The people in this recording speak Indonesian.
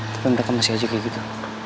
tapi mereka masih aja kayak gitu